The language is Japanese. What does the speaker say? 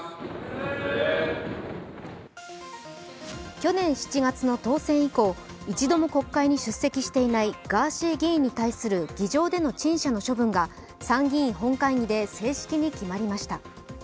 去年７月の当選以降、一度も国会に出席していないガーシー議員に対する議場での陳謝の処分が参議院本会議で正式に決まりました。